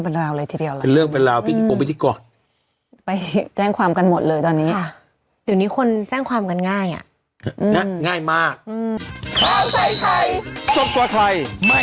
โปรดติดตามตอนต่อไป